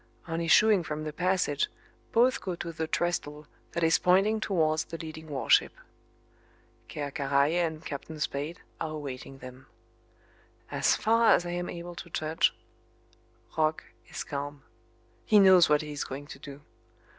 On issuing from the passage both go to the trestle that is pointing towards the leading warship. Ker Karraje and Captain Spade are awaiting them. As far as I am able to judge, Roch is calm. He knows what he is going to do.